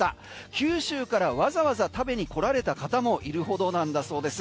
九州からわざわざ食べに来られた方もいるほどなんだそうです。